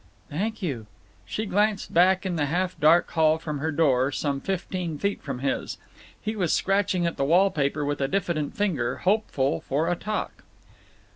"Thank you." She glanced back in the half dark hall from her door—some fifteen feet from his. He was scratching at the wall paper with a diffident finger, hopeful for a talk.